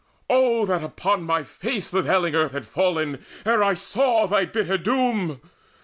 Oh that upon my face The veiling earth had fallen, ere I saw Thy bitter doom!